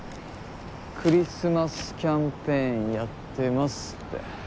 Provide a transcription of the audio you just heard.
クリスマスキャンペーンやってますって。